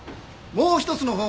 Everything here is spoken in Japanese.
もう一つのほう？